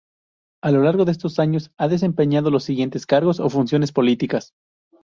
A lo largo de estos años ha desempeñado los siguientes cargos o funciones políticas.